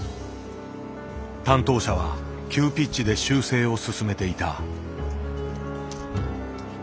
担当者は急ピッチで修正を進めていた。